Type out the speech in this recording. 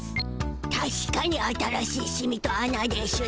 たしかに新しいシミとあなでしゅな。